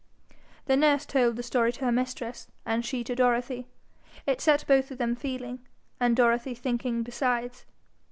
The nurse told the story to her mistress, and she to Dorothy. It set both of them feeling, and Dorothy thinking besides.